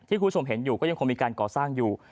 คุณผู้ชมเห็นอยู่ก็ยังคงมีการก่อสร้างอยู่